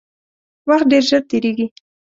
وخت ډیر ژر تیریږي